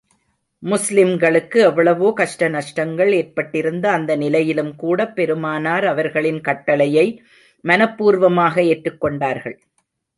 முஸ்லிம்களுக்கு எவ்வளவோ கஷ்ட நஷ்டங்கள் ஏற்பட்டிருந்த அந்த நிலையிலும் கூடப் பெருமானார் அவர்களின் கட்டளையை மனப்பூர்வமாக ஏற்றுக் கொண்டார்கள்.